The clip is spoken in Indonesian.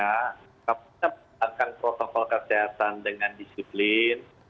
kita menjalankan protokol kesehatan dengan disiplin